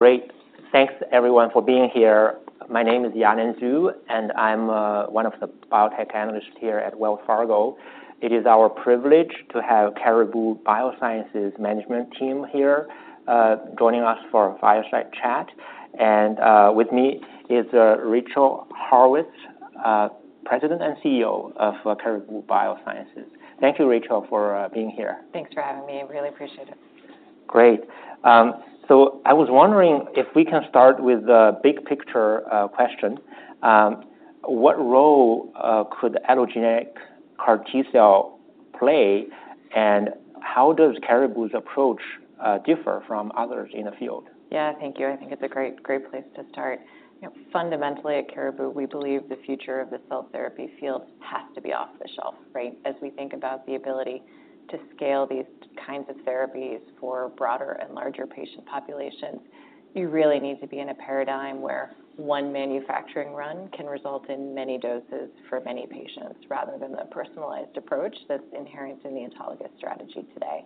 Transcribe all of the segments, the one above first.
Great. Thanks, everyone, for being here. My name is Yanan Zhu, and I'm one of the biotech analysts here at Wells Fargo. It is our privilege to Caribou Biosciences' management team joining us for a fireside chat. With me is Rachel Haurwitz, President and CEO Caribou Biosciences. Thank you, Rachel Haurwitz, for being here. Thanks for having me. I really appreciate it. Great. I was wondering if we can start with the big picture question. What role could allogeneic CAR-T cell play, and how Caribou Biosciences' approach differ from others in the field? Yeah, thank you. I think it's a great, great place to start. You know, fundamentally Caribou Biosciences, we believe the future of the cell therapy field has to be off the shelf, right? As we think about the ability to scale these kinds of therapies for broader and larger patient populations, you really need to be in a paradigm where one manufacturing run can result in many doses for many patients, rather than the personalized approach that's inherent in the autologous strategy today.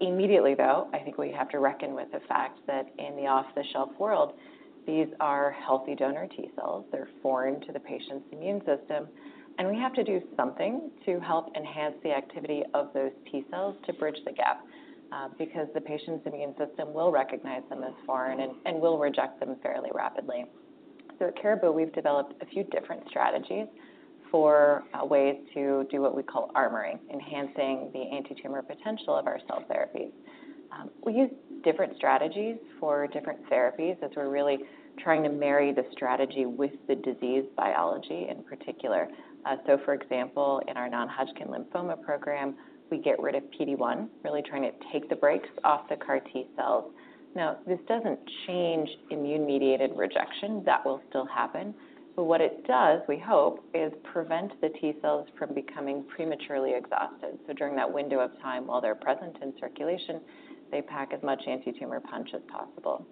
Immediately, though, I think we have to reckon with the fact that in the off-the-shelf world, these are healthy donor T cells. They're foreign to the patient's immune system, and we have to do something to help enhance the activity of those T cells to bridge the gap, because the patient's immune system will recognize them as foreign and, and will reject them fairly rapidly. So Caribou Biosciences, we've developed a few different strategies for ways to do what we call armoring, enhancing the anti-tumor potential of our cell therapies. We use different strategies for different therapies as we're really trying to marry the strategy with the disease biology in particular. So for example, in our non-Hodgkin lymphoma program, we get rid of PD-1, really trying to take the brakes off the CAR-T cells. Now, this doesn't change immune-mediated rejection. That will still happen. But what it does, we hope, is prevent the T cells from becoming prematurely exhausted. So during that window of time while they're present in circulation, they pack as much anti-tumor punch as possible.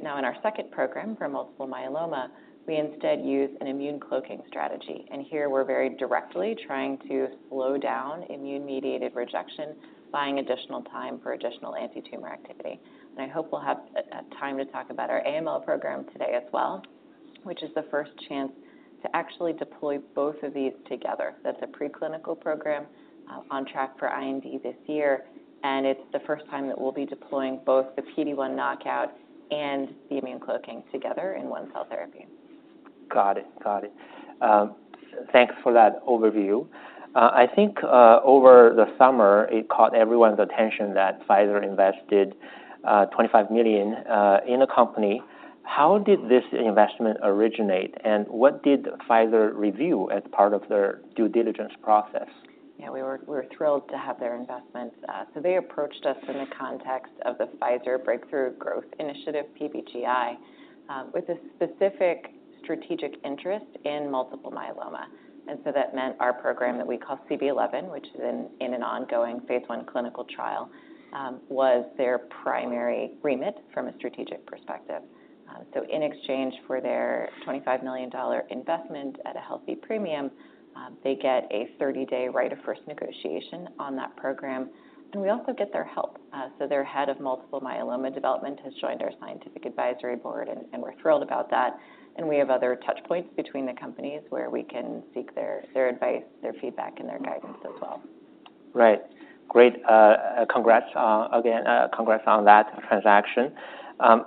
Now in our second program for multiple myeloma, we instead use an immune cloaking strategy. And here we're very directly trying to slow down immune-mediated rejection, buying additional time for additional anti-tumor activity. I hope we'll have time to talk about our AML program today as well, which is the first chance to actually deploy both of these together. That's a preclinical program, on track for IND this year, and it's the first time that we'll be deploying both the PD-1 knockout and the immune cloaking together in one cell therapy. Got it. Got it. Thanks for that overview. I think, over the summer, it caught everyone's attention that Pfizer invested $25 million in a company. How did this investment originate, and what did Pfizer review as part of their due diligence process? Yeah, we were thrilled to have their investment. They approached us in the context of the Pfizer Breakthrough Growth Initiative, PBGI, with a specific strategic interest in multiple myeloma. That meant our program that we call CB-011, which is in an ongoing phase I clinical trial, was their primary remit from a strategic perspective. In exchange for their $25 million investment at a healthy premium, they get a 30-day right of first negotiation on that program. We also get their help. Their head of multiple myeloma development has joined our scientific advisory board, and we're thrilled about that. We have other touchpoints between the companies where we can seek their advice, their feedback, and their guidance as well. Right. Great. Congrats again, congrats on that transaction.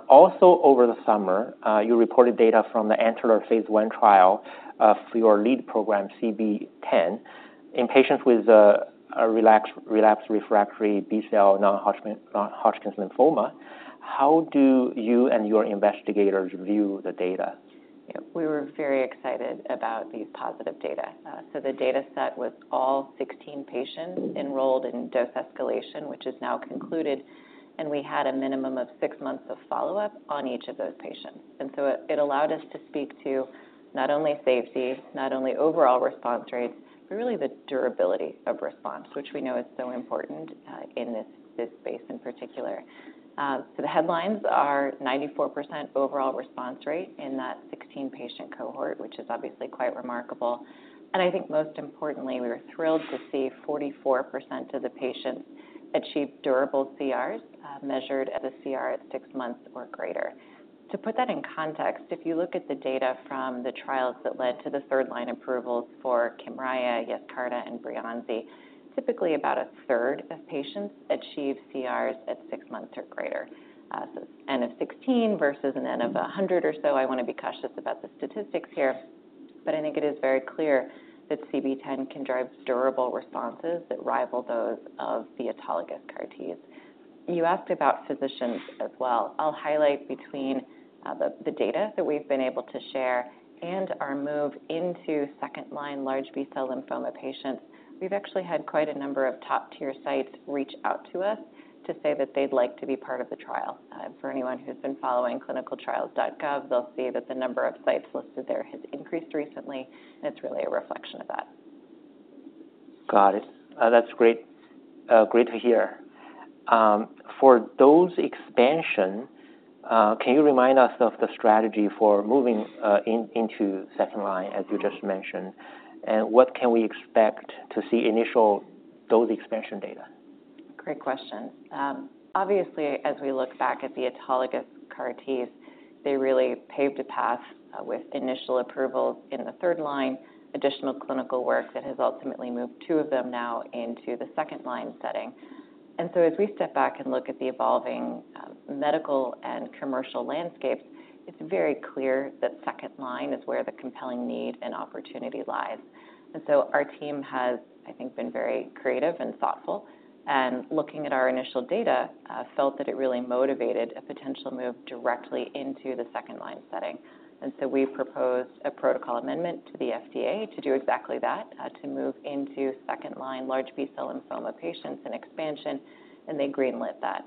Also over the summer, you reported data from the ANTLER phase I trial, for your lead program, CB-010, in patients with relapsed or refractory B cell non-Hodgkin lymphoma. How do you and your investigators view the data? Yeah, we were very excited about these positive data. So the data set was all 16 patients enrolled in dose escalation, which is now concluded, and we had a minimum of six months of follow-up on each of those patients. And so it, it allowed us to speak to not only safety, not only overall response rates, but really the durability of response, which we know is so important, in this, this space in particular. So the headlines are 94% overall response rate in that 16 patient cohort, which is obviously quite remarkable. And I think most importantly, we were thrilled to see 44% of the patients achieve durable CRs, measured at a CR at six months or greater. To put that in context, if you look at the data from the trials that led to the third-line approvals for Kymriah, Yescarta, and Breyanzi, typically about 1/3 of patients achieve CRs at six months or greater. So it's n of 16 versus an n of 100 or so. I wanna be cautious about the statistics here, but I think it is very clear that CB-010 can drive durable responses that rival those of the autologous CAR-Ts. You asked about physicians as well. I'll highlight between the data that we've been able to share and our move into second-line large B cell lymphoma patients. We've actually had quite a number of top-tier sites reach out to us to say that they'd like to be part of the trial. For anyone who's been following ClinicalTrials.gov, they'll see that the number of sites listed there has increased recently, and it's really a reflection of that. Got it. That's great. Great to hear. For dose expansion, can you remind us of the strategy for moving into second-line, as you just mentioned, and what can we expect to see initial dose expansion data? Great question. Obviously, as we look back at the autologous CAR-Ts, they really paved a path, with initial approval in the third-line, additional clinical work that has ultimately moved two of them now into the second-line setting. And so as we step back and look at the evolving medical and commercial landscapes, it's very clear that second-line is where the compelling need and opportunity lies. And so our team has, I think, been very creative and thoughtful, and looking at our initial data, felt that it really motivated a potential move directly into the second-line setting. And so we proposed a protocol amendment to the FDA to do exactly that, to move into second-line large B cell lymphoma patients in expansion, and they greenlit that.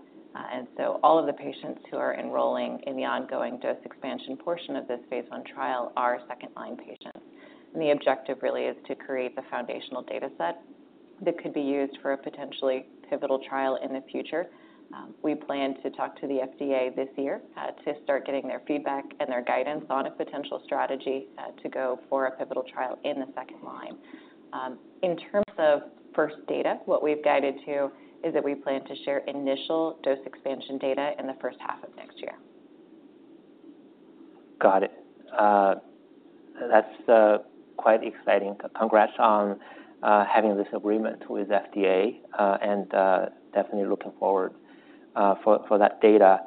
And so all of the patients who are enrolling in the ongoing dose expansion portion of this phase I trial are second-line patients. The objective really is to create the foundational data set that could be used for a potentially pivotal trial in the future. We plan to talk to the FDA this year, to start getting their feedback and their guidance on a potential strategy, to go for a pivotal trial in the second-line. In terms of first data, what we've guided to is that we plan to share initial dose expansion data in the H1 of next year. Got it. That's quite exciting. Congrats on having this agreement with the FDA, and definitely looking forward for that data.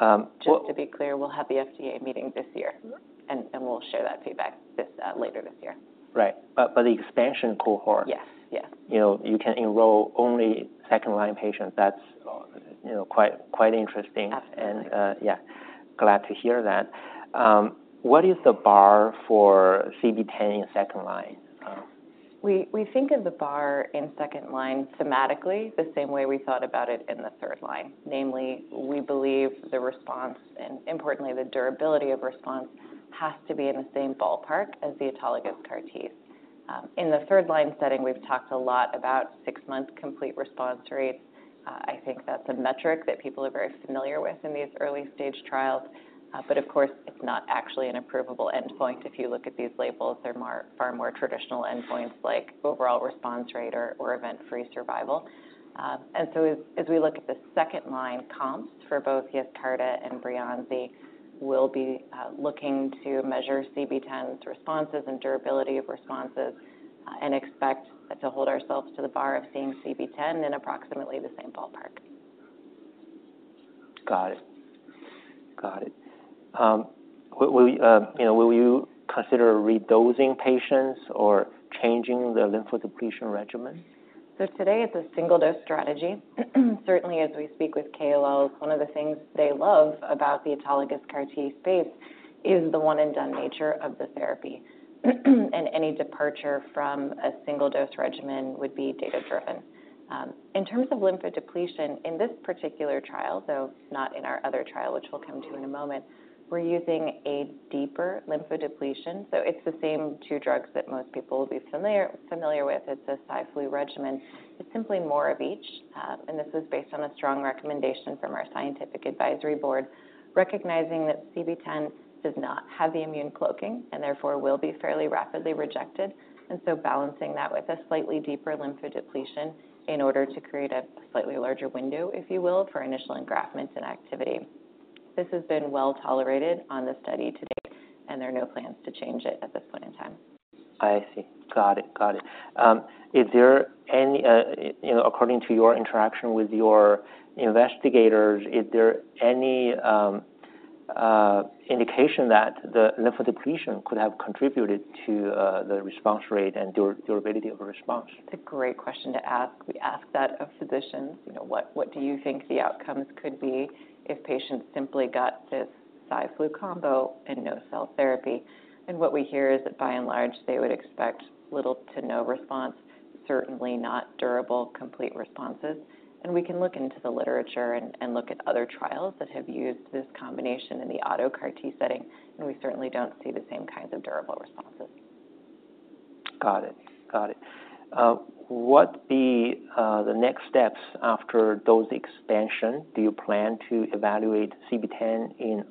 Just. Just to be clear, we'll have the FDA meeting this year, and we'll share that feedback later this year. Right. But the expansion cohort. Yes. Yes. You know, you can enroll only second-line patients. That's, you know, quite, quite interesting. Absolutely. Yeah, glad to hear that. What is the bar for CB-010 in second-line? We think of the bar in second-line thematically the same way we thought about it in the third-line, namely we believe the response and, importantly, the durability of response has to be in the same ballpark as the autologous CAR-Ts. In the third-line setting, we've talked a lot about six-month complete response rates. I think that's a metric that people are very familiar with in these early-stage trials. But of course, it's not actually an approvable endpoint if you look at these labels. They're far more traditional endpoints like overall response rate or event-free survival. And so, as we look at the second-line comps for both Yescarta and Breyanzi, we'll be looking to measure CB-010's responses and durability of responses, and expect to hold ourselves to the bar of seeing CB-010 in approximately the same ballpark. Got it. Got it. Will you, you know, will you consider redosing patients or changing the lymphodepletion regimen? So today it's a single-dose strategy. Certainly, as we speak with KOLs, one of the things they love about the autologous CAR-T space is the one-and-done nature of the therapy, and any departure from a single-dose regimen would be data-driven. In terms of lymphodepletion, in this particular trial, though, not in our other trial, which we'll come to in a moment, we're using a deeper lymphodepletion. So it's the same two drugs that most people will be familiar with. It's a Cy/Flu regimen. It's simply more of each, and this was based on a strong recommendation from our scientific advisory board, recognizing that CB-010 does not have the immune cloaking and therefore will be fairly rapidly rejected, and so balancing that with a slightly deeper lymphodepletion in order to create a slightly larger window, if you will, for initial engraftment and activity. This has been well tolerated on the study to date, and there are no plans to change it at this point in time. I see. Got it. Got it. Is there any, you know, according to your interaction with your investigators, is there any indication that the lymphodepletion could have contributed to the response rate and durability of a response? It's a great question to ask. We ask that of physicians. You know, what, what do you think the outcomes could be if patients simply got this Cy/Flu combo and no cell therapy? And what we hear is that by and large, they would expect little to no response, certainly not durable complete responses. And we can look into the literature and, and look at other trials that have used this combination in the autologous CAR-T setting, and we certainly don't see the same kinds of durable responses. Got it. Got it. What will be the next steps after dose expansion? Do you plan to evaluate CB-010 in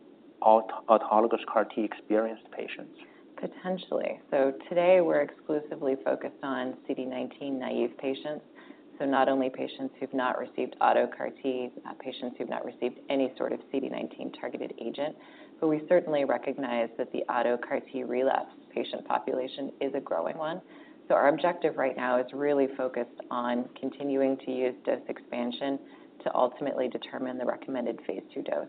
autologous CAR-T experienced patients? Potentially. So today we're exclusively focused on CD19-naive patients, so not only patients who've not received auto CAR-T, patients who've not received any sort of CD19 targeted agent. But we certainly recognize that the auto CAR-T relapse patient population is a growing one. So our objective right now is really focused on continuing to use dose expansion to ultimately determine the recommended phase II dose.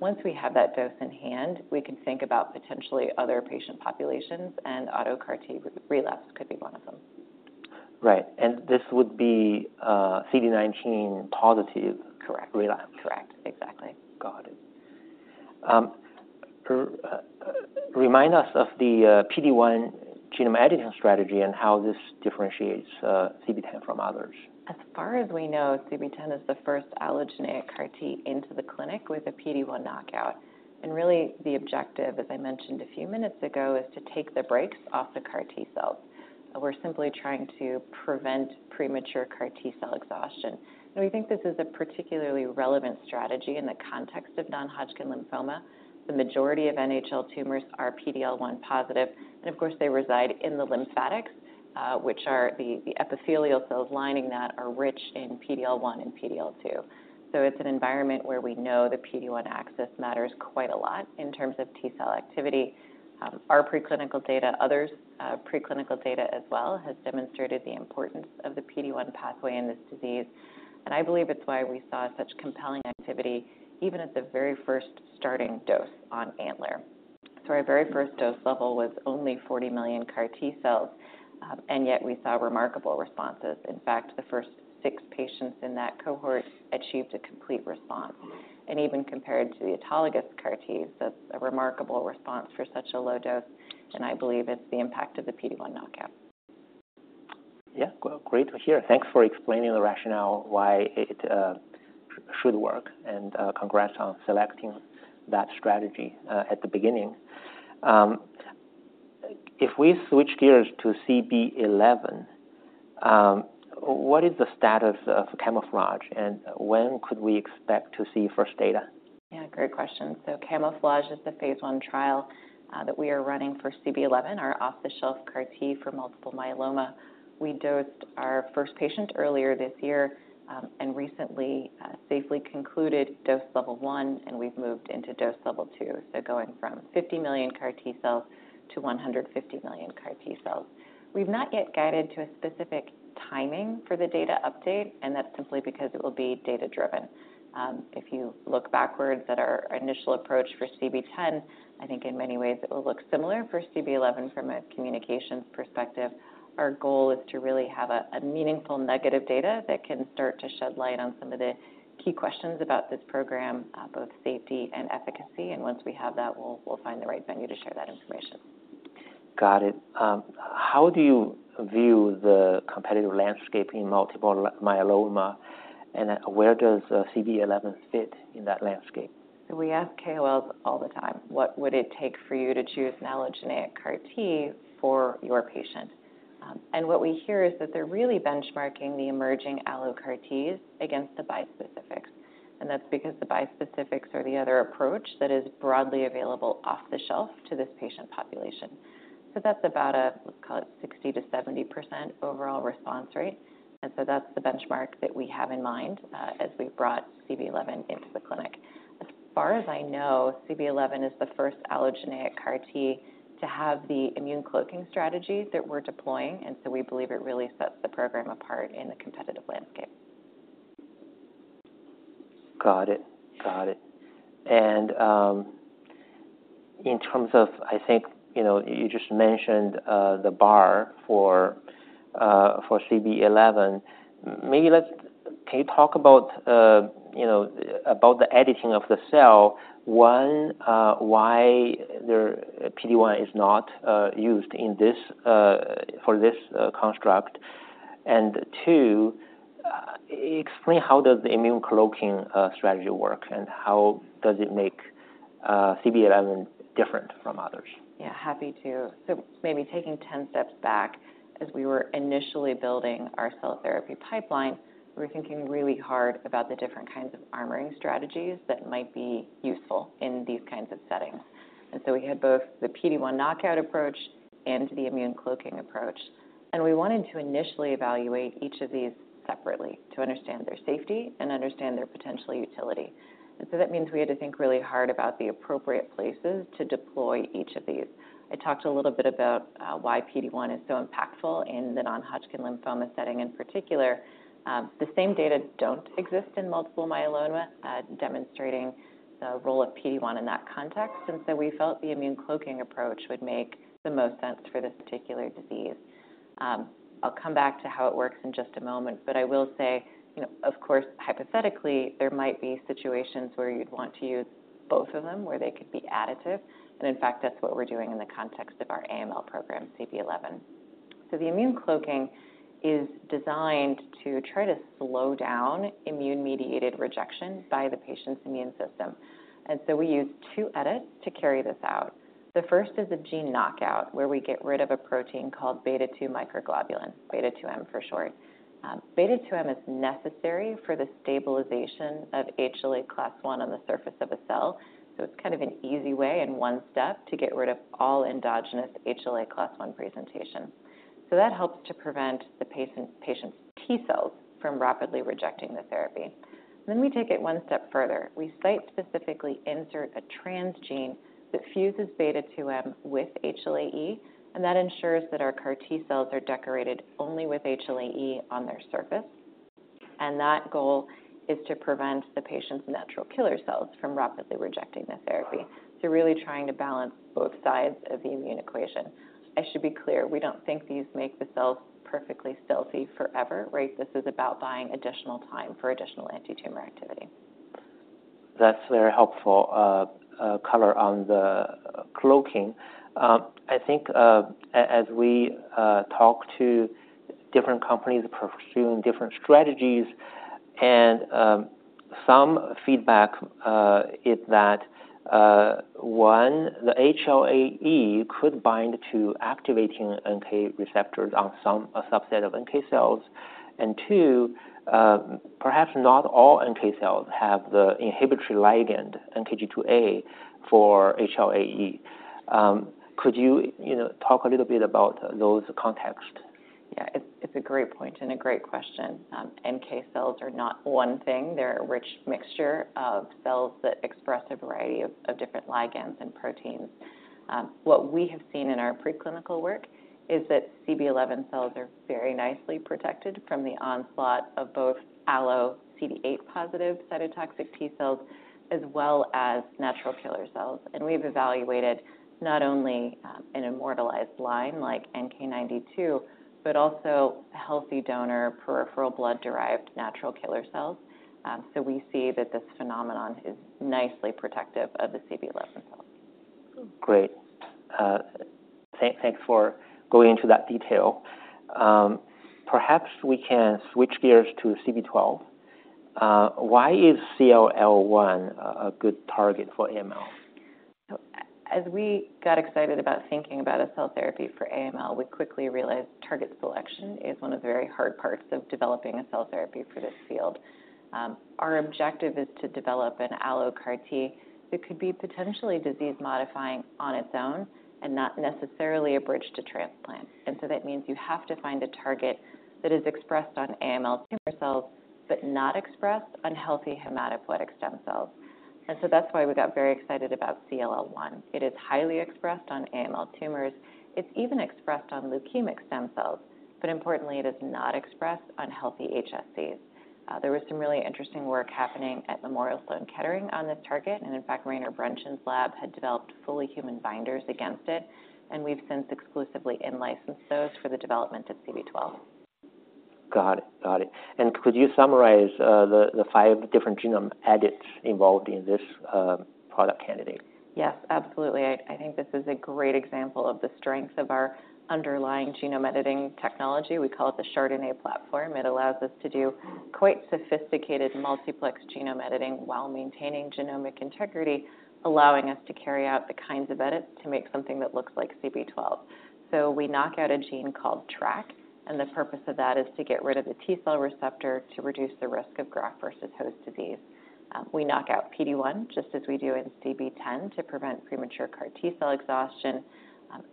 Once we have that dose in hand, we can think about potentially other patient populations, and auto CAR-T re-relapse could be one of them. Right. And this would be CD19-positive. Correct. Relapse. Correct. Exactly. Got it. Remind us of the PD-1 genome editing strategy and how this differentiates CB-010 from others. As far as we know, CB-010 is the first allogeneic CAR-T into the clinic with a PD-1 knockout. And really, the objective, as I mentioned a few minutes ago, is to take the brakes off the CAR-T cells. We're simply trying to prevent premature CAR-T cell exhaustion. And we think this is a particularly relevant strategy in the context of non-Hodgkin lymphoma. The majority of NHL tumors are PD-L1 positive, and of course, they reside in the lymphatics, which are the, the epithelial cells lining that are rich in PD-L1 and PD-L2. So it's an environment where we know the PD-1 axis matters quite a lot in terms of T cell activity. Our preclinical data, others' preclinical data as well, has demonstrated the importance of the PD-1 pathway in this disease, and I believe it's why we saw such compelling activity even at the very first starting dose on ANTLER. So our very first dose level was only 40 million CAR-T cells, and yet we saw remarkable responses. In fact, the first six patients in that cohort achieved a complete response. And even compared to the autologous CAR-Ts, that's a remarkable response for such a low dose, and I believe it's the impact of the PD-1 knockout. Yeah. Well, great to hear. Thanks for explaining the rationale why it should work, and congrats on selecting that strategy at the beginning. If we switch gears to CB-011, what is the status of CaMMouflage, and when could we expect to see first data? Yeah, great question. So CaMMouflage is the phase I trial that we are running for CB-011, our off-the-shelf CAR-T for multiple myeloma. We dosed our first patient earlier this year, and recently, safely concluded dose level 1, and we've moved into dose level 2, so going from 50 million CAR-T cells to 150 million CAR-T cells. We've not yet guided to a specific timing for the data update, and that's simply because it will be data-driven. If you look backwards at our initial approach for CB-010, I think in many ways it will look similar for CB-011 from a communications perspective. Our goal is to really have a, a meaningful negative data that can start to shed light on some of the key questions about this program, both safety and efficacy, and once we have that, we'll, we'll find the right venue to share that information. Got it. How do you view the competitive landscape in multiple myeloma, and where does CB-011 fit in that landscape? So we ask KOLs all the time, "What would it take for you to choose an allogeneic CAR-T for your patient?" and what we hear is that they're really benchmarking the emerging allogeneic CAR-Ts against the bispecifics, and that's because the bispecifics are the other approach that is broadly available off the shelf to this patient population. So that's about a, let's call it 60%-70% overall response rate, and so that's the benchmark that we have in mind, as we brought CB-011 into the clinic. As far as I know, CB-011 is the first allogeneic CAR-T to have the immune cloaking strategy that we're deploying, and so we believe it really sets the program apart in the competitive landscape. Got it. Got it. And, in terms of, I think, you know, you just mentioned, the bar for CB-011. Maybe let's can you talk about, you know, about the editing of the cell, one, why their PD-1 is not, used in this, for this, construct, and two, explain how does the immune cloaking, strategy work, and how does it make, CB-011 different from others? Yeah, happy to. So maybe taking 10 steps back, as we were initially building our cell therapy pipeline, we were thinking really hard about the different kinds of armoring strategies that might be useful in these kinds of settings. And so we had both the PD-1 knockout approach and the immune cloaking approach, and we wanted to initially evaluate each of these separately to understand their safety and understand their potential utility. And so that means we had to think really hard about the appropriate places to deploy each of these. I talked a little bit about why PD-1 is so impactful in the non-Hodgkin lymphoma setting in particular. The same data don't exist in multiple myeloma, demonstrating the role of PD-1 in that context, and so we felt the immune cloaking approach would make the most sense for this particular disease. I'll come back to how it works in just a moment, but I will say, you know, of course, hypothetically, there might be situations where you'd want to use both of them, where they could be additive, and in fact, that's what we're doing in the context of our AML program, CB-011. So the immune cloaking is designed to try to slow down immune-mediated rejection by the patient's immune system, and so we use two edits to carry this out. The first is a gene knockout where we get rid of a protein called beta-2 microglobulin, beta-2M for short. beta-2M is necessary for the stabilization of HLA class I on the surface of a cell, so it's kind of an easy way in one step to get rid of all endogenous HLA class I presentation. So that helps to prevent the patient's T cells from rapidly rejecting the therapy. Then we take it one step further. We site-specifically insert a transgene that fuses beta-2M with HLA-E, and that ensures that our CAR-T cells are decorated only with HLA-E on their surface, and that goal is to prevent the patient's natural killer cells from rapidly rejecting the therapy. So really trying to balance both sides of the immune equation. I should be clear, we don't think these make the cells perfectly stealthy forever, right? This is about buying additional time for additional antitumor activity. That's very helpful, color on the cloaking. I think, as we talk to different companies pursuing different strategies, and some feedback is that, one, the HLA-E could bind to activating NK receptors on some, a subset of NK cells, and two, perhaps not all NK cells have the inhibitory ligand, NKG2A, for HLA-E. Could you, you know, talk a little bit about those context? Yeah, it's a great point and a great question. NK cells are not one thing. They're a rich mixture of cells that express a variety of different ligands and proteins. What we have seen in our preclinical work is that CB-011 cells are very nicely protected from the onslaught of both allogeneic CD8-positive cytotoxic T cells as well as natural killer cells. And we've evaluated not only an immortalized line like NK-92, but also healthy donor peripheral blood-derived natural killer cells. So we see that this phenomenon is nicely protective of the CB-011 cells. Great. Thanks for going into that detail. Perhaps we can switch gears to CB-012. Why is CLL-1 a good target for AML? So as we got excited about thinking about a cell therapy for AML, we quickly realized target selection is one of the very hard parts of developing a cell therapy for this field. Our objective is to develop an allo CAR-T that could be potentially disease-modifying on its own and not necessarily a bridge to transplant, and so that means you have to find a target that is expressed on AML tumor cells but not expressed on healthy hematopoietic stem cells. So that's why we got very excited about CLL-1. It is highly expressed on AML tumors. It's even expressed on leukemic stem cells, but importantly, it is not expressed on healthy HSCs. There was some really interesting work happening at Memorial Sloan Kettering on this target, and in fact, Renier Brentjens's lab had developed fully human binders against it, and we've since exclusively in-licensed those for the development of CB-012. Got it. Got it. And could you summarize the five different genome edits involved in this product candidate? Yes, absolutely. I think this is a great example of the strength of our underlying genome editing technology. We call it the chRDNA platform. It allows us to do quite sophisticated multiplex genome editing while maintaining genomic integrity, allowing us to carry out the kinds of edits to make something that looks like CB-012. So we knock out a gene called TRAC, and the purpose of that is to get rid of the T cell receptor to reduce the risk of graft-versus-host disease. We knock out PD-1 just as we do in CB-010 to prevent premature CAR-T cell exhaustion,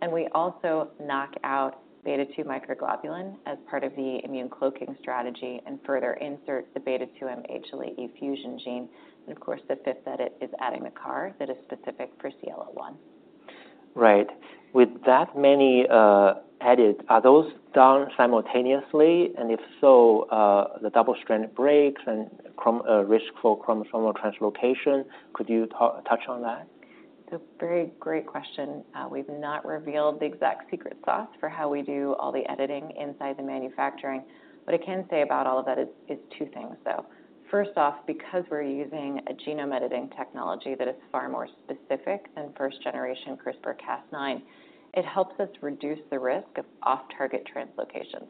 and we also knock out beta-2 microglobulin as part of the immune cloaking strategy and further insert the B2M-HLA-E fusion gene. And of course, the fifth edit is adding the CAR that is specific for CLL-1. Right. With that many edits, are those done simultaneously, and if so, the double-stranded breaks and chromosomal risk for chromosomal translocation, could you touch on that? So, very great question. We've not revealed the exact secret sauce for how we do all the editing inside the manufacturing, but I can say about all of that is two things, though. First off, because we're using a genome editing technology that is far more specific than first-generation CRISPR-Cas9, it helps us reduce the risk of off-target translocations.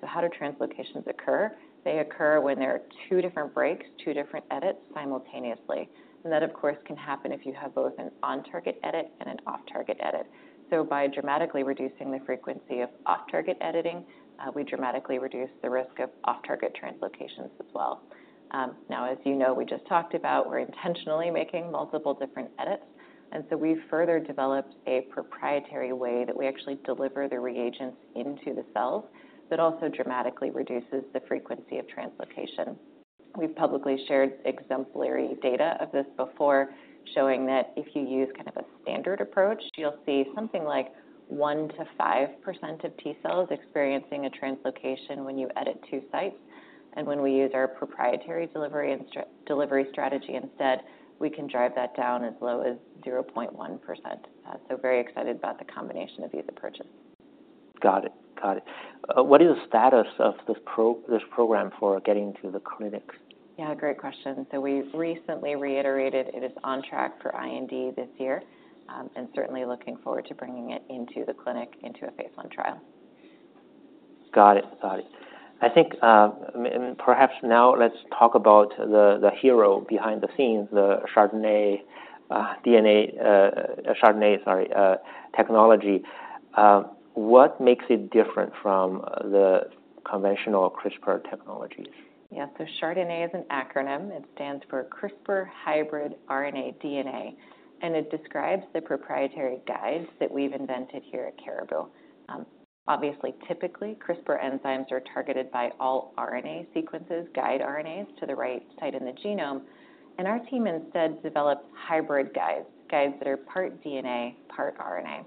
So how do translocations occur? They occur when there are two different breaks, two different edits simultaneously, and that, of course, can happen if you have both an on-target edit and an off-target edit. So by dramatically reducing the frequency of off-target editing, we dramatically reduce the risk of off-target translocations as well. Now, as you know, we just talked about, we're intentionally making multiple different edits, and so we've further developed a proprietary way that we actually deliver the reagents into the cells that also dramatically reduces the frequency of translocation. We've publicly shared exemplary data of this before showing that if you use kind of a standard approach, you'll see something like 1%-5% of T cells experiencing a translocation when you edit two sites, and when we use our proprietary delivery and our delivery strategy instead, we can drive that down as low as 0.1%. So very excited about the combination of these approaches. Got it. Got it. What is the status of this program for getting to the clinic? Yeah, great question. So we recently reiterated it is on track for IND this year, and certainly looking forward to bringing it into the clinic into a phase I trial. Got it. Got it. I think and perhaps now let's talk about the hero behind the scenes, the chRDNA, sorry, technology. What makes it different from the conventional CRISPR technologies? Yeah, so chRDNA is an acronym. It stands for CRISPR Hybrid RNA DNA, and it describes the proprietary guides that we've invented here Caribou Biosciences. Obviously, typically, CRISPR enzymes are targeted by all RNA sequences, guide RNAs, to the right site in the genome, and our team instead developed hybrid guides, guides that are part DNA, part RNA.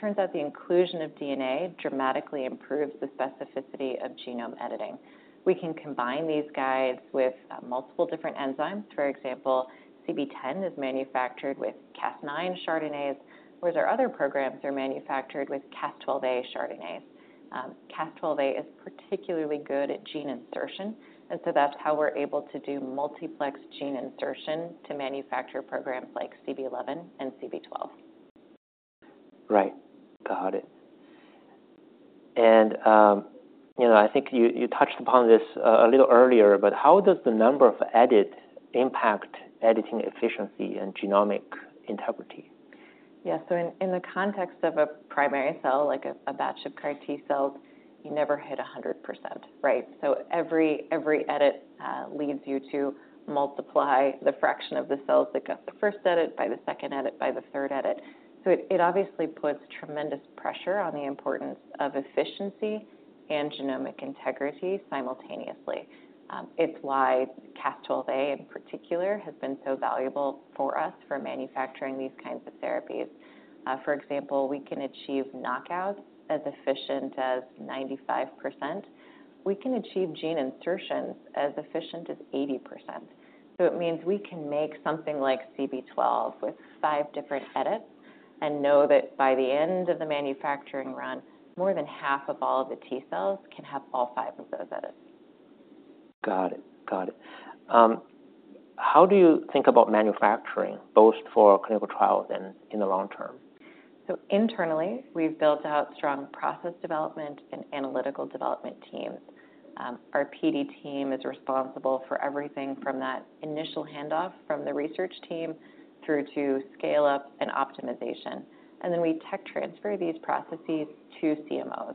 Turns out the inclusion of DNA dramatically improves the specificity of genome editing. We can combine these guides with multiple different enzymes. For example, CB-010 is manufactured with Cas9 chRDNA, whereas our other programs are manufactured with Cas12a chRDNAs. Cas12a is particularly good at gene insertion, and so that's how we're able to do multiplex gene insertion to manufacture programs like CB-011 and CB-012. Right. Got it. And, you know, I think you touched upon this, a little earlier, but how does the number of edits impact editing efficiency and genomic integrity? Yeah, so in the context of a primary cell, like a batch of CAR-T cells, you never hit 100%, right? So every edit leads you to multiply the fraction of the cells that got the first edit by the second edit by the third edit. So it obviously puts tremendous pressure on the importance of efficiency and genomic integrity simultaneously. It's why Cas12a in particular has been so valuable for us for manufacturing these kinds of therapies. For example, we can achieve knockouts as efficient as 95%. We can achieve gene insertions as efficient as 80%. So it means we can make something like CB-012 with 5 different edits and know that by the end of the manufacturing run, more than half of all of the T cells can have all five of those edits. Got it. Got it. How do you think about manufacturing, both for clinical trials and in the long-term? So internally, we've built out strong process development and analytical development teams. Our PD team is responsible for everything from that initial handoff from the research team through to scale-up and optimization, and then we tech-transfer these processes to CMOs.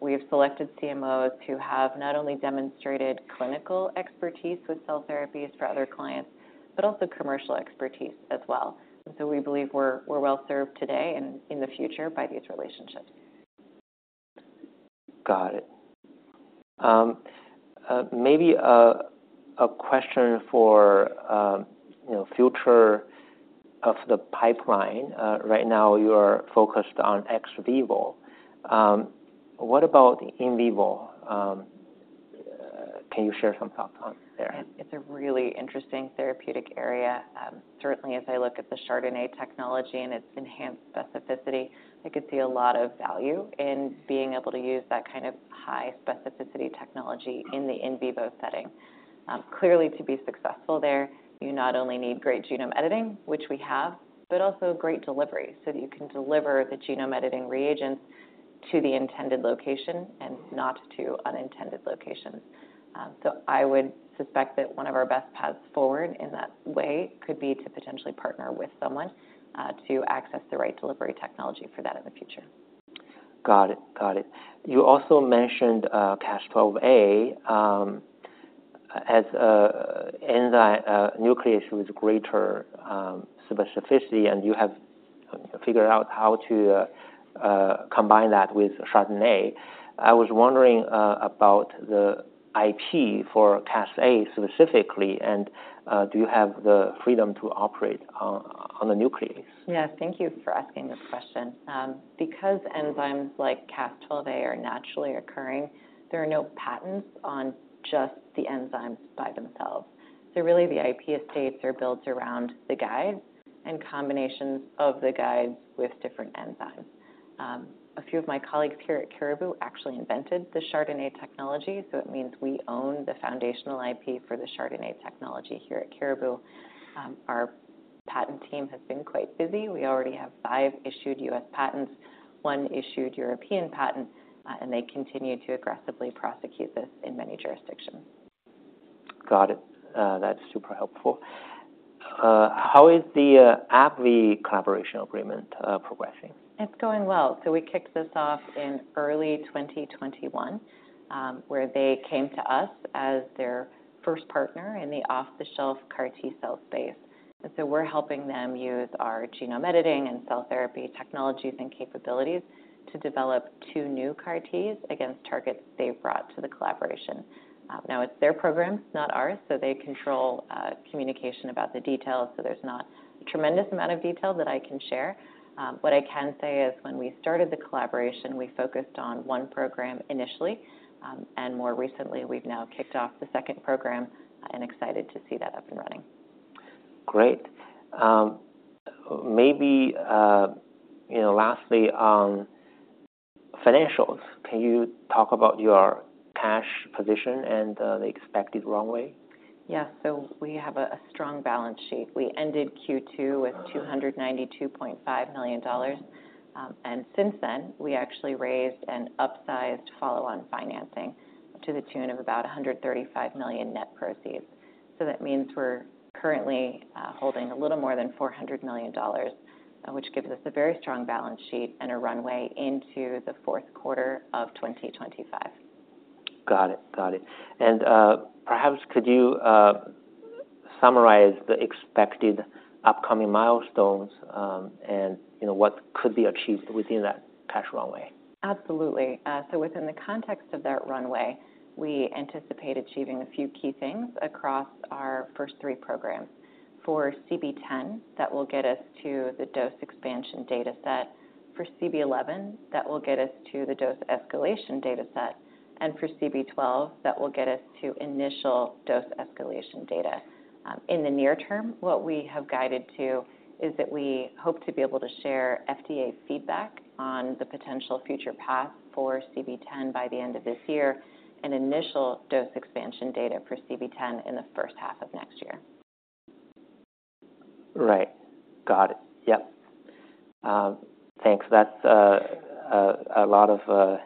We have selected CMOs who have not only demonstrated clinical expertise with cell therapies for other clients but also commercial expertise as well, and so we believe we're, we're well-served today and in the future by these relationships. Got it. Maybe, a question for, you know, future of the pipeline. Right now you are focused on ex vivo. What about in vivo? Can you share some thoughts on there? It's a really interesting therapeutic area. Certainly as I look at the chRDNA technology and its enhanced specificity, I could see a lot of value in being able to use that kind of high-specificity technology in the in vivo setting. Clearly to be successful there, you not only need great genome editing, which we have, but also great delivery so that you can deliver the genome editing reagents to the intended location and not to unintended locations. So I would suspect that one of our best paths forward in that way could be to potentially partner with someone, to access the right delivery technology for that in the future. Got it. Got it. You also mentioned Cas12a as a nuclease with greater specificity, and you have figured out how to combine that with chRDNA. I was wondering about the IP for Cas12a specifically, and do you have the freedom to operate on the nuclease? Yeah, thank you for asking this question. Because enzymes like Cas12a are naturally occurring, there are no patents on just the enzymes by themselves. So really the IP estates are built around the guides and combinations of the guides with different enzymes. A few of my colleagues here Caribou Biosciences actually invented the chRDNA technology, so it means we own the foundational IP for the chRDNA technology here Caribou Biosciences. Our patent team has been quite busy. We already have five issued U.S. patents, one issued European patent, and they continue to aggressively prosecute this in many jurisdictions. Got it. That's super helpful. How is the AbbVie collaboration agreement progressing? It's going well. So we kicked this off in early 2021, where they came to us as their first partner in the off-the-shelf CAR-T cell space, and so we're helping them use our genome editing and cell therapy technologies and capabilities to develop two new CAR-Ts against targets they've brought to the collaboration. Now it's their program, not ours, so they control communication about the details, so there's not a tremendous amount of detail that I can share. What I can say is when we started the collaboration, we focused on one program initially, and more recently we've now kicked off the second program, and excited to see that up and running. Great. Maybe, you know, lastly, financials. Can you talk about your cash position and the expected runway? Yeah, so we have a strong balance sheet. We ended Q2 with $292.5 million, and since then we actually raised and upsized follow-on financing to the tune of about $135 million net proceeds. That means we're currently holding a little more than $400 million, which gives us a very strong balance sheet and a runway into the Q4 of 2025. Got it. Got it. And, perhaps could you summarize the expected upcoming milestones, and, you know, what could be achieved within that cash runway? Absolutely. So within the context of that runway, we anticipate achieving a few key things across our first three programs. For CB-010, that will get us to the dose expansion data set. For CB-011, that will get us to the dose escalation data set. And for CB-012, that will get us to initial dose escalation data. In the near term, what we have guided to is that we hope to be able to share FDA feedback on the potential future path for CB-010 by the end of this year and initial dose expansion data for CB-010 in the H1 of next year. Right. Got it. Yep. Thanks. That's a lot of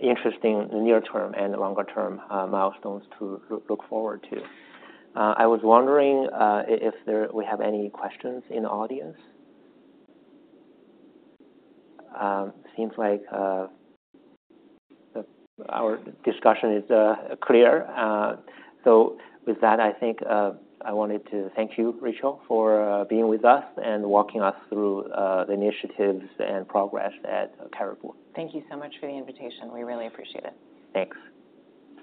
interesting near-term and longer-term milestones to look forward to. I was wondering if there are any questions in the audience? Seems like our discussion is clear. So with that, I think I wanted to thank you, Rachel Haurwitz, for being with us and walking us through the initiatives and progress at Caribou Biosciences. Thank you so much for the invitation. We really appreciate it. Thanks.